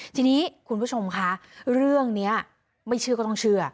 ทีนี้คุณผู้ชมคะเรื่องนี้ไม่เชื่อก็ต้องเชื่อ